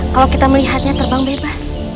kalau kita melihatnya terbang bebas